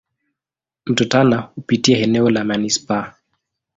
Mto Tana hupitia eneo la manispaa.